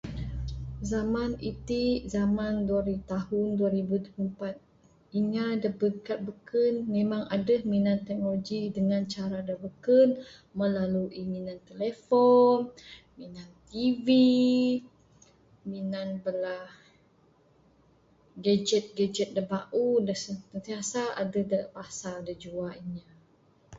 Zaman iti zaman tahun duweh ribu duweh pueu empat memang adeh minan teknologi minan cara da beken melalui minan telephone, minan tv minan bala gajet gajet da bauh da sentiasa adeh da pasar da jua inya